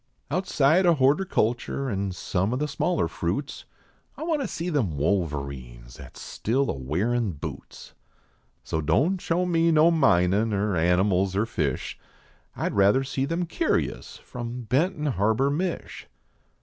Outside o hortercnlture an some o the smaller fruits I want to see them Wolverines at s still a wearin boots. So don show me no minin er animals er fish, I d rather see them curios from Benton Harbor, Mich."